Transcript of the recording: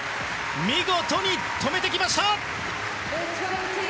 見事に止めてきました！